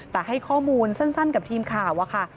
แต่ให้ข้อมูลสั้นกับทีมข่าวอะค่ะ